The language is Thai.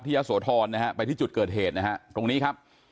ที่อาโสทรนะครับไปที่จุดเกิดเหตุนะครับตรงนี้ครับ